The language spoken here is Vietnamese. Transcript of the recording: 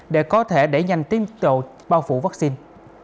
để có thể đẩy nhanh tiến dịch bao phủ vaccine